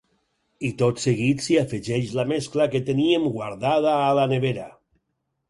I tot seguit s'hi afegeix la mescla que teníem guardada a la nevera.